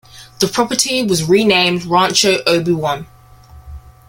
The property was renamed Rancho Obi-Wan.